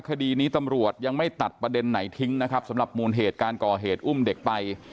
คดีนี้ตำรวจยังไม่ตัดประเด็นไหนทิ้งนะครับสำหรับมูลเหตุการก่อเหตุอุ้มเด็กไป